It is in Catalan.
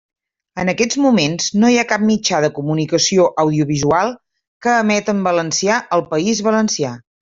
En aquests moments, no hi ha cap mitjà de comunicació audiovisual que emeta en valencià al País Valencià.